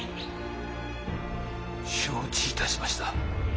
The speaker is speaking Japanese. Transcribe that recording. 承知いたしました。